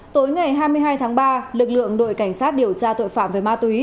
tối ngày hai mươi hai tháng ba lực lượng đội cảnh sát điều tra tội phạm về ma túy